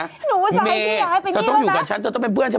โหสายดีเหมือนตัวเดียวนะ